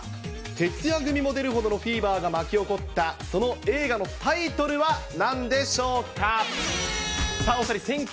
徹夜組も出るほどのフィーバーが巻き起こった、その映画のタイトルはなんでしょうか。